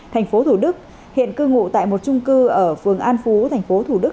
thành phố thủ đức hiện cư ngụ tại một trung cư ở phường an phú thành phố thủ đức